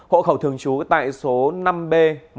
hộ khẩu thường chú tại số năm b một trăm linh năm